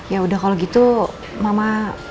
ya udah kalau gitu mama